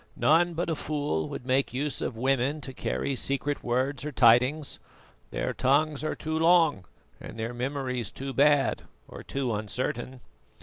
"None but a fool would make use of women to carry secret words or tidings. Their tongues are too long and their memories too bad, or too uncertain."